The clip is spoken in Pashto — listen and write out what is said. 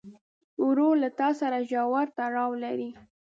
ورور له تا سره ژور تړاو لري.